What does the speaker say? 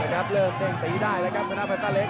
นัดเริ่มเต้นตีได้แล้วกับแฟนต้าแฟนต้าเล็ก